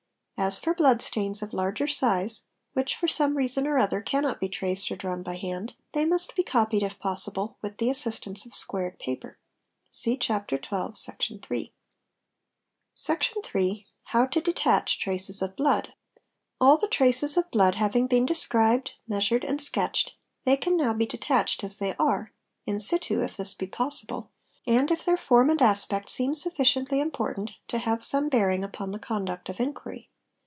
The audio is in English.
As for blood stains of larger "size, which, for some reason or other, cannot be traced or drawn by hand, they must be copied if possible, with the assistance of squared paper (see Chapter XII., Section iii.) ' 3 568 TRACES OF BLOOD Section iiii—How to detach traces of blood. All the traces of blood having been described, measured, and sketched, they can now be detached as they are, im situ if this be possible, and if their form and aspect seem sufficiently important to have some bearing upon the conduct of inquiry.